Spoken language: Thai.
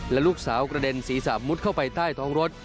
และลูกสาวกระเด็นศีรษะมุดเข้าไปใต้ท้องรถ